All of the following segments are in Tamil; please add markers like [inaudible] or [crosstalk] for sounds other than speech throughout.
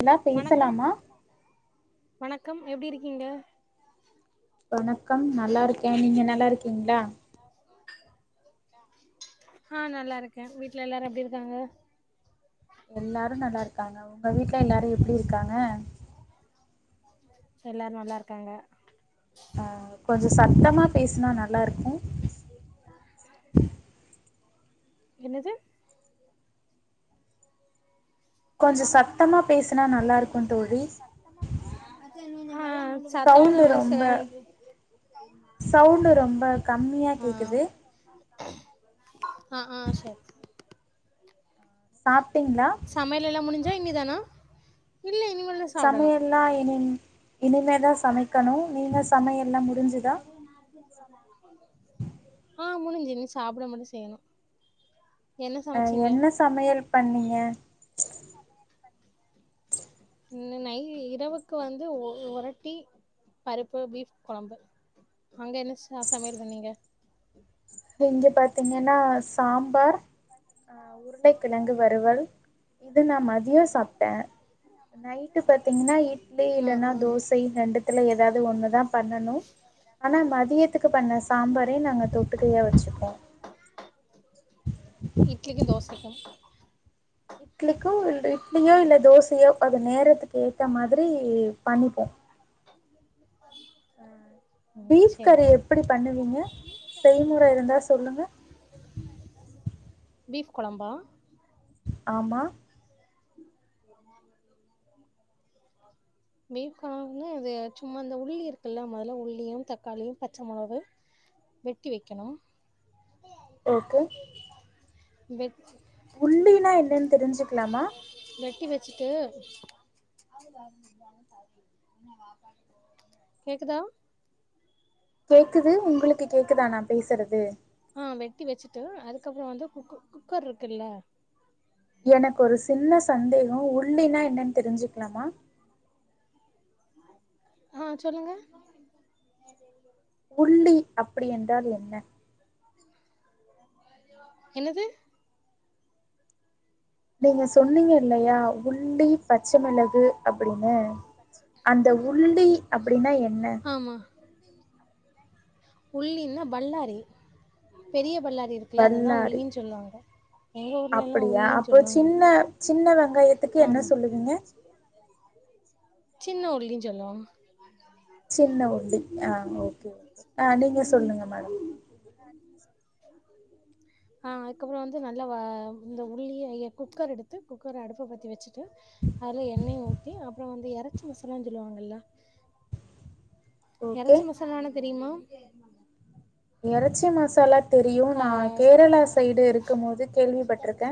என்னா வணக்கம் பேசலாமா வணக்கம் எப்டி இருக்கீங்க வணக்கம் நல்லா இருக்கேன் நீங்க நல்லா இருக்கீங்களா ஆஹ் நல்லா இருக்கேன் வீட்டு்ல எல்லாரும் எப்டி இருக்காங்க எல்லாரும் நல்லா இருக்காங்க உங்க வீட்டுல எல்லாரும் எப்டி இருக்காங்க எல்லாரும் நல்லா இருக்காங்க ஆஹ் கொஞ்சம் சத்தமாக பேசினா நல்லா இருக்கு [unintelligible] என்னது கொஞ்சம் சத்தமா பேசுனா அ நல்லா இருக்கு தோழி சவுண்டு ரொம்ப சவுண்டு ரொம்ப கம்மியா கேக்குது [inaudible] ஆஹ ஆஹ சரி ச சாப்ட்டீங்களா [inaudible] சமையெலெல்லாம் முடிஞ்சுதா இனிமேதானா சமையல் எல்லாம் இன்ன இனிமே தான் சமைக்கணும் நீனஸ் [unintelligible] ஆஹ் முடுஞ்சுது சாப்பிட மட்டும் செய்யணும் அஹ் என்ன சமையல் பண்ணீங்க இ நை இரவுக்கு வந்து ரொட்டி பருப்பு பீஃப் குழம்பு அங்க என்ன ச சமையல் பண்ணீங்க இங்க பாத்தீங்கன்னா சாம்பார் ஆஹ் உருண்ட கிழங்கு வருவல் இது நான் மதியம் சாப்பிட்டேன் நைட்டு பாத்தீங்கன்னா இட்லி ஆ இல்லைன்னா ஆ தோசை ரெண்டுத்துல ஏதாவது ஒண்ணுதான் பண்ணனும் ஆனா மதியத்துக்கு பண்ண சாம்பாரே நாங்க தொ வச்சுப்போம் இட்லிக்கும் தோசை இட்லிக்கு இல்ல இட்லியோ இல்ல தோசையோ அது நேரத்துக் கேத்த மாதிரி பண்ணிப்போ அ ம் பீஃப் சேரி கறி சேரி எப்புடி பண்ணுவீங்க செய்முறை இருந்தா சொல்லுங்க பீஃப் குழம்பா ஆமா பிஃப் குழம்புன்னா அது சும்மா இந்த உள்ளி இருக்குல்ல முதல்ல உள்ளியும் தக்காளியும் பச்ச மொளகு வெட்டி வெக்கிணு ஓகே வெட் உள்ளினா என்ன னேன் தெரிஞ்சுக்குலாமா ட்டி வெச்சுட்டு கேக்குதா கேக்குது உங்களுக்கு கேக்குதா நா பேசுறது ஆ வெட்டி வெச்சுட்டு அதுக்கப்புறோ வந்து குக்கு குக்கர் ருக்குல்ல எனக்கு ஒரு சின்ன சந்தேக் கம் உள்ளி னா என்னன் தெரிஞ்சுக்குலாமா ஆ சொல்லுங்க உள்ளி அப்புடி என்றால் என்ன என்னது நீங்க சொன்னீங்க இல்லையா உள் உள்ளி பச்ச மிளகு அப்புடின்னு அந்த உள்ளி அப்புடின்னா என்ன உள்ளினா பல்லாரி பெரிய பல்லா இருக்குல்ல அததா உள்ளின் சொல்வாங்க அப்டியா அப்ப சின்ன சின்ன வெங் காயத்துக்கு என்ன ஆமா சொல்லுவீங்க சின்ன உள்ளின் சொல்வோ சின்ன உள்ளி ஆ ஓகே ஆ நீங்க சொல்லுங்க மேடம் ஆ அதுக்கப்றொ வந்து நல்லா வா இந்த உள்ளிய ய குக்கர் எடுத்து குக்கர அடுப்ப பத்தி வச்சுட்டு அதுல எண்ணெய ஊத்தி அப்றொ வந்து எறச்சி மசாலான் சொல்வாங்கல்ல ஓகே எறச்சி மசாலானா தெரியுமா எறச்சி மசாலா தெரியு க நா கேரளா சைடு இருக்கும் போது கேள்விப்பட்ருக்க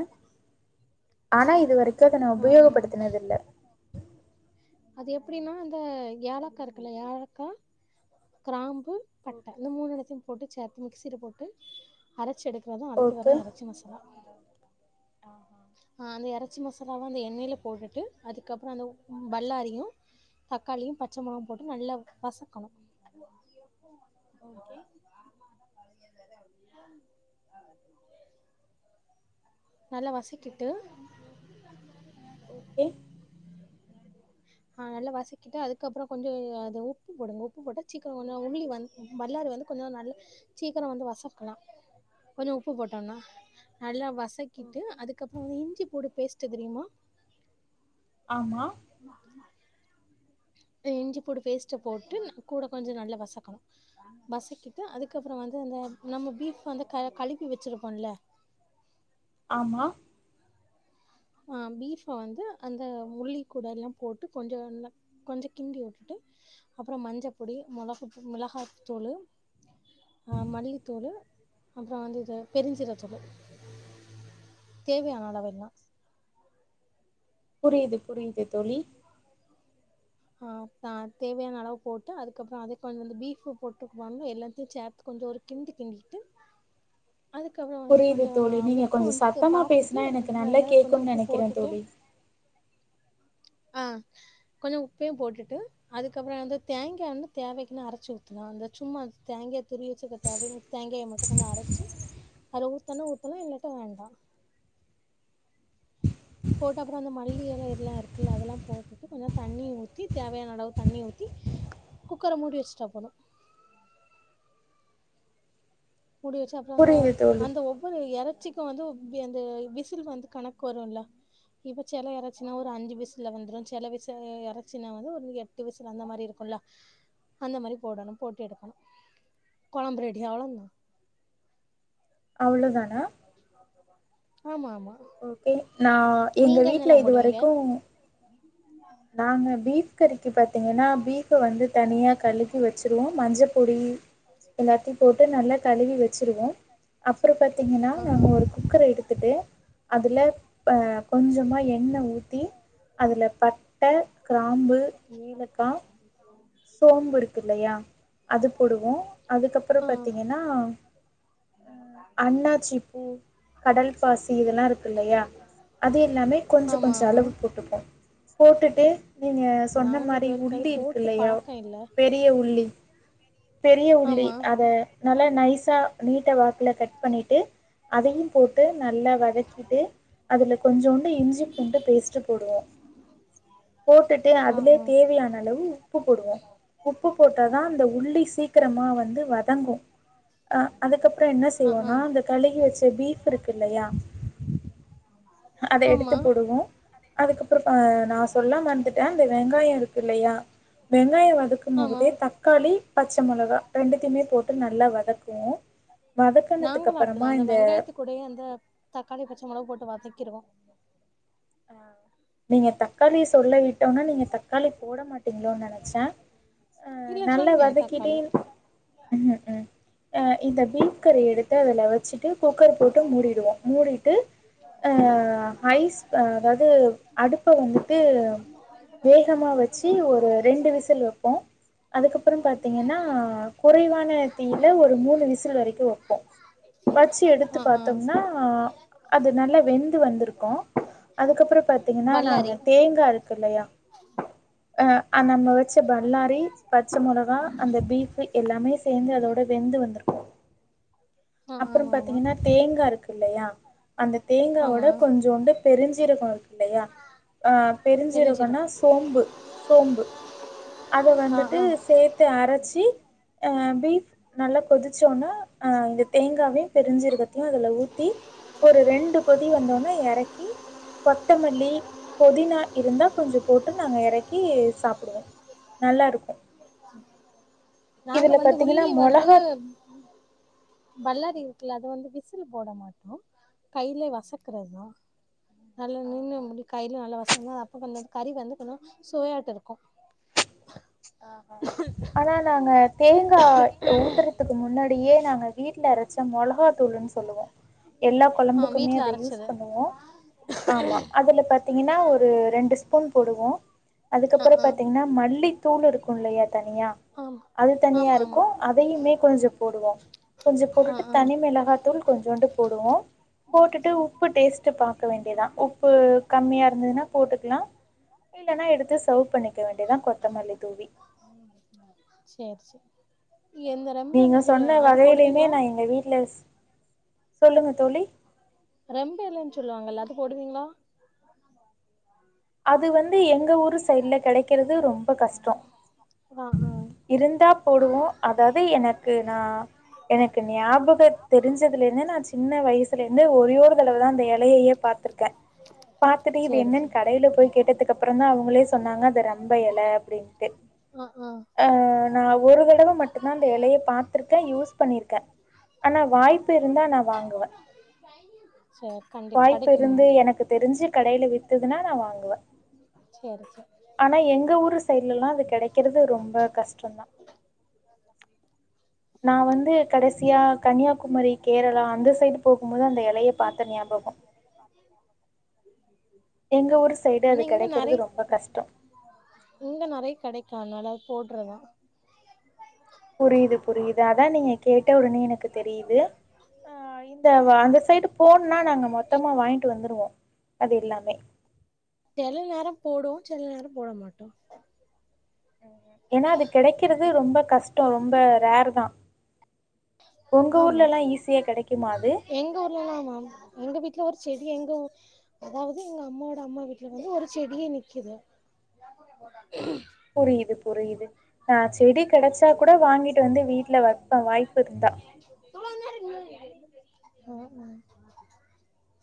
ஆனா இதுவரைக்கு அத நா ஆ ஆ. உபயோகப்படுத்துனது இல்ல அது எப்டின்னா அந்த ஏலக்கா இருக்குல ஏலக்கா க்ராம்பு பட்ட ஓகே இந்த மூணு [unintelligible] போட்டு ச மிக்சில போட்டு அரச்சி எடுத் தாதா அதுக்கு ஓகே வேர்தஅ எறச்சி மசாலா ஆஹா ஆ அந்த எறச்சி மசாலாவா அந்த எண்ணெயில போட்டுட்டு அதுக்கப்றொ அந்த பல்லாரியு தக்காளியு பச்ச மொளகும் போட்டு நல்லா வசக்கணு ஓகே [inaudible] நல்லா வசக்கிட்டு ஓகே ஆ நல்லா வசக்கிட்டு அதுக்கப்றொ கொஞ்சொ அது உப்பு போடுங்க உப்பு போட்டா சீக்கரொ கொஞ்சொ உமிலி வந் பல்லாரி வந்து கொஞ்சொ நல் சீக்கரொ வந்து வசக்கலா கொஞ்சொ உப்பு போட்டோம்னா நல்லா வச கிட்டு ஓகே அதுக்கப்றொ இஞ்சி பூண்டு பேஸ்ட்டு தெரியுமா ஆமா இஞ்சிப்பூடு பேஸ்ட்டு போட்டு ந கூட கொஞ்சொ நல்லா வசக்கணு வசக்கிட்டு அதுக்கப்றொ வந்து அந்த நம்ம பீஃப் வந்து க கழுவி வச்சிருப்போம்ல ஆமா ஆ பீஃப வந்து அந்த உல்லிக்கூடல்லா போட்டு கொஞ்ச கொஞ் கொஞ்சொ கிண்டி உட்டுட்டு அப்றொம் மஞ்சப்பொடி மொளகு மிளகாய்த்தூளு அ மல்லித்தூளு அப்றொ வந்து இது பெருஞ்சீரத்தூளு தேவையான அளவு எல்லா புரியிது புரியிது தோழி ஆ அ தேவையான அளவு போட்டு அதுக்கப்றொ அத கொஞ் வந்து பீஃப் போட்டுக்குவ எல்லாத்தையு சேத்து கொஞ்சொ ஒரு கிண்டு கிண்டிட்டு அதுக்கப்றொ வந்து புரியுது கொஞ்சொ தோழி நீங்க உப்பு கொஞ்சோ வந்து த சத்தமா பாத்துட்டு பேசுனா எனக்கு நல்லா ரெண்டாவ்து கொஞ்சொ கேக்குன்னு உப்பு நெனைக்கிறே போட்டுட்டு தோழி ஆ கொஞ்சொ உ ப்பையு போட்டுட்டு அதுக்கப்றொ வந்து தேங்கா வந்து தேவைக்குனு அரச்சு ஊத்தலா அந்த சும்மா தேங்கா துரியி வச்சுக்க தேவன் தேங்காய மட்டு கொஞ்சொ அரச்சு அத்ல ஊத்தன்னா ஊத்தலா இல்லாட்டா வேண்டா போட்டா அப்றொ அந்த மல்லி எல எல்லா இருக்குல்ல அதெல்லா போட்டுட்டு கொஞ்சொ தண்ணிய ஊத்தி தேவையான அளவு தண்ணிய ஊத்தி குக்கர மூடி வச்சுட்டா போது மூடி வச்சு அப்றொ அந்த புரியுது தோழி அந்த ஒவ்வொரு எற ச்சிக்கு வந்து அந்த விசில் வந்து கணக்கு வருல்ல இப்போ செல எறச்சினா ஒரு அஞ்சு விசில்ல வெந்த்ரு செல விச எறச்சினா வந்து ஒரு எட்டு விசில் அந்த மாரி இருக்குல்ல அந்த மாரி போடணும் போட்டு எடுக்கணு கொழம்பு ரெடி அவ்வளோந்தா அவ்ளோதான ஆமா, ஆமா, ஓகே நா எங்க நீங்க வீட்ல என்னெல்லாம் போடுவீங்க இதுவரைக்கு நாங்க பீஃப் கறிக்கு பாத்தீங்கன்னா பீஃப்ப வந்து தனியா கழுகி வச்சிருவோ மஞ்ச பொடி எல்லாத்தியு போட்டு நல்லா கழுவி வச்சிருவோ அப்பறோ பாத்தீங்கன்னா ஆ ஆ நாங்க ஒரு குக்கர எடுத்துட்டு அதுல ப கொஞ்சமா எண்ணெ ஊத்தி அதுல பட் ட கிராம்பு ஏலக்கா சோம்பு இருக்கு இல்லையா அது போடுவோ அதுக்கப்பறோ ஆ பாத்தீங்கனா அ அண்ணாச்சிப்பூ, கடல் பாசி இதெல்லா இருக்கு இல்லையா அது எல்லாமே கொஞ்ச ஆமா கொஞ்ச ஆமா அளவு போட்டுப்போ போட்டுட்டு நீங்க சொன்ன நாங்க இது மாரி வரைக்கும் அது உள்ளி இருக் போட்டு இல்லையா பழக்கம் இல்ல பெரிய உள்ளி பெரிய உள்ளி ஆமா அத நல்லா நைஸா நீட்ட வாக்குல கட் பண்ணிட்டு அதையு போட்டு நல்லா வதக் ட்டு அதுல கொஞ்சோண்டு இஞ்சி பூண்டு பேஸ்ட் போடுவோ, போட்டுட்டு ஆ அதுலயே ஆ தேவையான அளவு உப்பு போடுவோ உப்பு போட்டாதா அந்த உள்ளி சீக்கிரமா வந்து வதங்கு அ அதுக்கப்பறோ என்ன ஆ ஆ செய்வோனா அந்த கழுகி வச்ச பீஃப் இருக்கு இல்லையா அத எடுத்து ஆமா போடுவோ, அதுக்கப்றோ அ நா சொல்லமறந்துட்டே அந்த வெங்காயோ இருக்கு இல்லையா வெங்காய ஆமா வதக்கும்போதே தக்காளி ப ச்ச மொளகா ரெண்டுத்தையுமே போட்டு நல்லா வதக் போ நாங்களு அப்டிதா அந்த வெங்காயத்து கூடையே அந்த தக்காளி பச்ச மொளவா போட்டு வதக் கிருவோ ஆ, நீங்க த தக்காளி சொல்ல விட்டோனா நீங்க தக்காளி போட மாட்டீங்ளோனு நெனைச்ச அ இல்ல நல்ல சொன்னே வதக்கிட்டே, தக்காளி ம், ம் அ இந்த பீஃப் கறி எடுத்து அதுல வச்சுட்டு குக்கர் போட்டு மூடிடுவோ மூடிட்டு ஹை அதாவது அடுப்ப வந்துட்டு வேகமா வச்சு ஒரு ரெண்டு விசில் வப்போ அதுக்கப்புறம் பாத்தீங்கன்னா குறைவான தீயில ஒரு மூனு விசில் வரைக்கும் வப்போம் வச்சு எடுத்து ஆ ஆ பாத்தோம்னா அது நல்லா வெந்து வந்துருக்கும் அதுக்கப்புறம் பாத்தீங்கன்னா நாங்க பல்லாரி தேங்கா இருக்கு இல்லையா ஆ அ நம்ம வச்ச பல்லாரி பச்ச மொளகா அந்த பீஃப் எல்லாமே சேந்து அதோட வெந்து வந்துருக்கும் ஆ அப்புறம் ஆமா ஆமா பாத்தீங்கன்னா தேங்கா இருக்கு இல்லையா அந்த தேங்காவோட ஆமா கொஞ்சோண்டுப் பெருஞ்சீரகம் இருக்கு இல்லையா ஆ பெருஞ்சீர பெருஞ்சீரகோன்னா சோம்பு சோம்பு அத ஆ வந்துட்டு ஆ சேத்து அரச்சி அ பீஃப் நல்லா கொதிச்சு தோன்னா அ இந்த தேங்காவையும் பெரிஞ்சிருக்கத்தையும் அதுல ஊத்தி ஒரு ரெண்டு கொதி வந்தோன் ழ எறக்கி கொத்தமல்லி புதினா இருந்தா கொஞ்சம் போட்டு நாங்க எறக்கி சாப்புடுவோம் நல்லா இருக்கும் நாங்க இதுல வந்து பாத்தீங்கன்னா உள்ளி வந்து மொளகாத் பல்லாரி குல அத வந்து விசில் போட மாட்டோம் கையிலயே வசக்குறதுதா நல்லா நின்னு முடி கையில நல்லா வசங்கோ அப்ப கொஞ்சம் கறி வந்து போனா சோயாட இருக்கும் ஆ ஆனா நாங்க தேங்கா ஊத்தறதுக்கு முன்னாடியே நாங்க வீட்ல அரச்ச மொளஹா தூளுன் சொல்லுவோ எல்லா ஆ கொழம்புக்குமே வீட்ல அத யூஸ் அரச்சது பண்ணுவோ ஆமா அதுல பாத்தீங்கன்னா ஒரு ரெண்டு ஸ்பூன் போடுவோ ஆ அதுக்கப்பறொ ஆ பாத்தீங்னா மல்லி தூள் இருக்குலயா தனியா ஆமா அது தனியா ஆமா ஆமா இருக்கு அதையுமே கொஞ்ச போடுவோ கொஞ்ச ஆ போட்டுட்டு ஆ தனி மிளகாய் தூள் கொஞ்யோன்டு போடுவோ போட்டுட்டு உப்பு டேஸ்ட் பாக்கல வேண்டியதா உப்பு கம்மியா இருந்ததுன்னா போட்டுக்கலா இல்லைனா எடுத்து சர்வ் பண்ணிக்க வேண்டியதா கொத்தமல்லி தூவி சேரி சேரி எந்த அஹ் நீங்க ரெம்பைலன்னு சொல்லு சொன்ன அது வகையிலயுமே போடுவீங்களா நா எங்க வீட்டுல சொல்லுங்க தோழி ரெம்ப இலன்னு சொல்லுவாங்கல்ல அது போடுவீங்களா அது வந்து எங்க ஊரு சைட்ல கிடைக்கிறது ரொம்ப கஷ்ட்டோ ஆ ஆ இருந்தா போடுவோ அதாவது எனக்கு நா எனக்கு ஞாபக தெரிஞ்சதுல இருந்து நா சின்ன வயசுல இருந்து ஒரே ஒரு தடவதா அந்த இலயையே பாத்திருக்க பாத்துட்டு இது சேரி என்னன்னு சேரி உள்ள போய் கேட்டது அப்புறம அவங்களே சொன்னாங்க அத ரம்ப இல அப்டின்ட்டு ஆ ஆ அஹ் நா ஒரு தடவை மட்டுதா அந்த இலய பாத்திருக்க யூஸ் பண்ணிருக்க ஆனா வாய்ப்பு இருந்தா நா வாங்குவ சேரி கண்டிப்பா வாய்ப்பு கெடைக்குங்க இருந்து எனக்கு தெரிஞ்சு கடையில வித்துதுனா நா வாங்குவ வ சேரி சேரி ஆனா எங்க ஊரு சைடுலல்லா அது கிடைக்கிறது ரொம்ப கஷ்டதா நா வந்து கடைசி சியா கன்னியாகுமரி கேரளா அந்த சைடு போகும்போது அந்த இலய பாத்த ஞாபக எங்க ஊரு சைடு அது ஆனா இங்க கெடைக்கிறது நறைய ரொம்ப கஷ்டம். இங்க நறைய கிடைக்கு அதனால போடுறத புரியுது புரியுது அதா நீங்க கேட்ட உடனே எனக்கு தெரியுது ஆஹ் இந் [unintelligible] அந்த சைடு போன்ன நாங்க மொத்தமா வாங் ட்டு வந்துருவோ அது எல்லாமே செல நேர போடு செல நேர போட மாட்டோ ஏன்னா அது கெடக்கறது அது ரொம்ப கஷ்ட ரொம்ப ரேர்தா ஆமா அது? எங்க ஊர்லன ஆமா எங்க வீட்ல ஒரு செ எங்க அதாவது எங்க அம்மாவோட அம்மா வீட்ல வந்து ஒரு செடியே நிக்குது புரிது புரிது நா செடிக் கெடச்சாக் கூட வாங்கிட்டு வந்து வீட்ல வப்பே வாய்ப்புருந்தா ஹ்